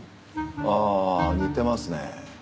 ああ似てますね。